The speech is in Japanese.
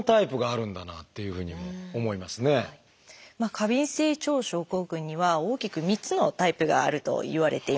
過敏性腸症候群には大きく３つのタイプがあるといわれています。